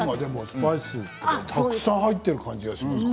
スパイスがたくさん入っている感じがします。